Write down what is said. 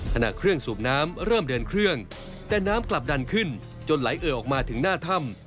ขณะเครื่องสูบน้ำเริ่มเดินเครื่องแต่น้ำกลับดันขึ้นจนไหลเอ่อออกมาถึงหน้าถ้ำ